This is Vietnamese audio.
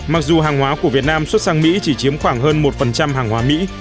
mặc dù hàng hóa của việt nam xuất sang mỹ chỉ chiếm khoảng hơn một hàng hóa mỹ